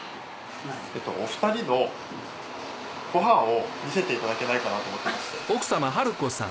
お二人のご飯を見せていただけないかなと思って。